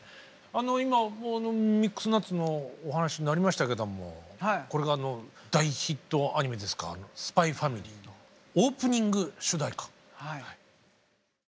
あの今「ミックスナッツ」のお話になりましたけどもこれが大ヒットアニメですか「ＳＰＹ×ＦＡＭＩＬＹ」オープニング主題歌。